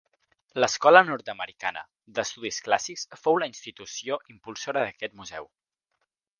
L'Escola Nord-americana d'Estudis Clàssics fou la institució impulsora d'aquest museu.